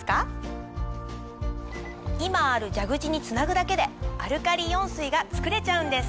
今ある蛇口につなぐだけでアルカリイオン水が作れちゃうんです。